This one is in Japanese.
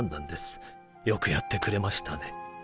よくやってくれましたね。